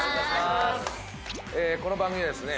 この番組はですね